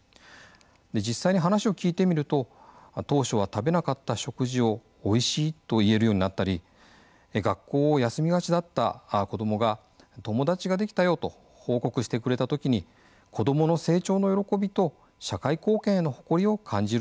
実際に話を聞いてみると当初は食べなかった食事をおいしいと言えるようになったり学校を休みがちだった子どもが友達ができたよと報告してくれた時に子どもの成長の喜びと社会貢献への誇りを感じるということです。